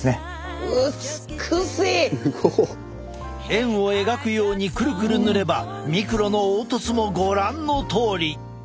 円を描くようにクルクル塗ればミクロの凹凸もご覧のとおり！